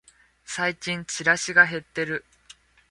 最近チラシが減ってる